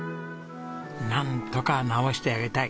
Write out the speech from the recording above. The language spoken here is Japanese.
なんとか直してあげたい。